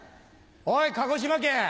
おい鹿児島県！